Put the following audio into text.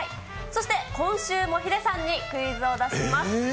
そして今週もヒデさんにクイズを出します。